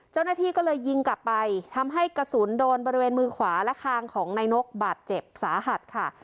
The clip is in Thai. เจ้าหน้าที่ก็เลยยิงกลับไปทำให้กระสุนโดนบริเวณมือขวาและคางของนายนกบาดเจ็บสาหัสค่ะ